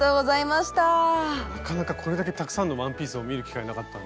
なかなかこれだけたくさんのワンピースを見る機会なかったんで。